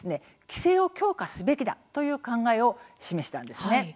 規制を強化すべきだという考えを示したんですね。